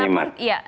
ya saya menikmat